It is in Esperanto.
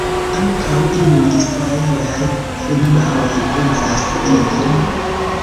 Ankaŭ iuj israelaj firmaoj uzas ilin.